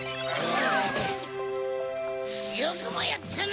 よくもやったな！